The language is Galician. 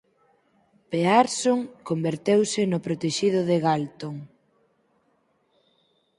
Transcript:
Pearson converteuse no protexido de Galton.